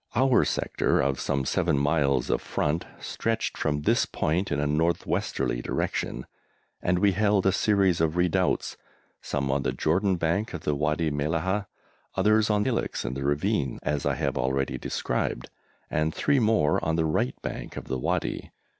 Our sector of some seven miles of front stretched from this point in a north westerly direction, and we held a series of redoubts, some on the Jordan bank of the Wadi Mellahah, others on hillocks in the ravine, as I have already described, and three more on the right bank of the Wadi.